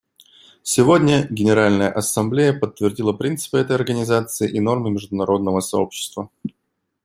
Сегодня Генеральная Ассамблея подтвердила принципы этой Организации и нормы международного сообщества.